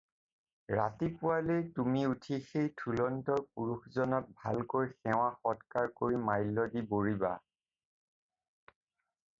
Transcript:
ৰাতি পুৱালেই তুমি উঠি সেই থুলন্তৰ পুৰুষজনক ভালকৈ সেৱা-সৎকাৰ কৰি মাল্য দি বৰিবা।